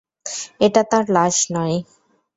এটা তার লাশ নয়।